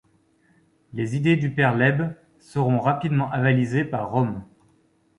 Les idées du Père Lebbe seront rapidement avalisées par Rome.